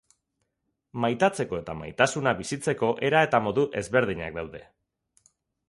Maitatzeko eta maitasuna bizitzeko era eta modu ezberdinak daude.